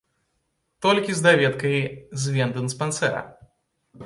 Толькі з даведкай з вендыспансэра!